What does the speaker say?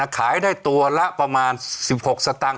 ขายได้ตัวละประมาณสิบหกสตังค์